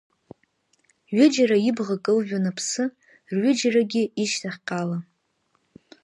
Ҩыџьара ибӷа кылжәан аԥсы, рҩыџьарагьы ишьҭахьҟала.